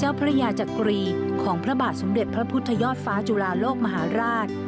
พระยาจักรีของพระบาทสมเด็จพระพุทธยอดฟ้าจุฬาโลกมหาราช